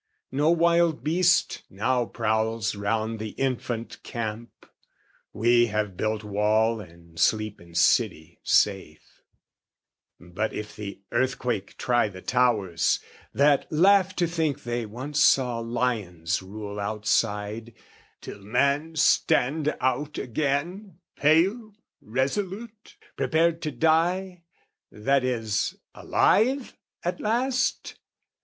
No wild beast now prowls round the infant camp; We have built wall and sleep in city safe: But if the earthquake try the towers, that laugh To think they once saw lions rule outside, Till man stand out again, pale, resolute, Prepared to die, that is, alive at last?